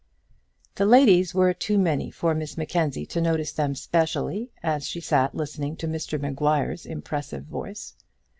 The ladies were too many for Miss Mackenzie to notice them specially as she sat listening to Mr Maguire's impressive voice.